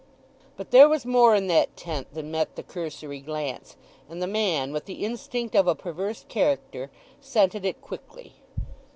But there was more in that tent than met the cursory glance; and the man, with the instinct of a perverse character, scented it quickly.